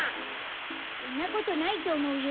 そんなことないとおもうよ。